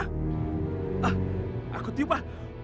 hah aku tiba